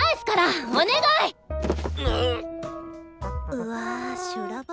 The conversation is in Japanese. うわ修羅場？